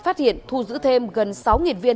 phát hiện thu giữ thêm gần sáu viên